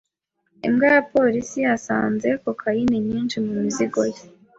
Imbwa ya polisi yasanze kokayine nyinshi mu mizigo ye.